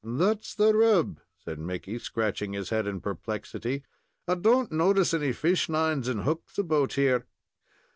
"That's the rub," said Mickey, scratching his head in perplexity. "I don't notice any fishlines and hooks about here.